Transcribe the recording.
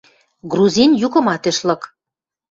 Грузин юкымат ӹш лык.